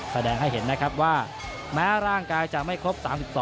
แสดงให้เห็นนะครับว่าแม้ร่างกายจะไม่ครบ๓๒